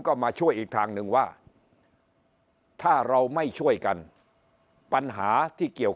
ก็มาช่วยอีกทางหนึ่งว่าถ้าเราไม่ช่วยกันปัญหาที่เกี่ยว